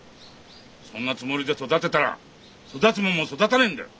そんなつもりで育てたら育つもんも育たねんだよ。